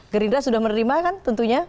gerindra sudah menerima kan tentunya